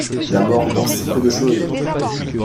La mort pour si peu de chose!